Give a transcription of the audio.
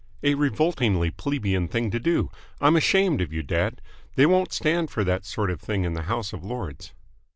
"A revoltingly plebeian thing to do! I'm ashamed of you, dad! They won't stand for that sort of thing in the House of Lords!"